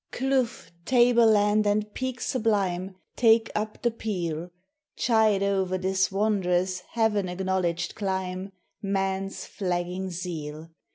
Kloof, table land, and peak sublime, Take up the peal; Chide o'er this wondrous, Heaven acknowledged clime, Man's flagging zeal.